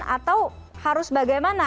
atau harus bagaimana